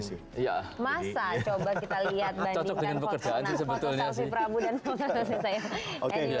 masa coba kita lihat bandingkan foto foto sampi prabu dan foto foto saya